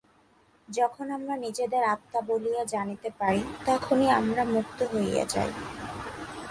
যখন আমরা নিজেদের আত্মা বলিয়া জানিতে পারি, তখনই আমরা মুক্ত হইয়া যাই।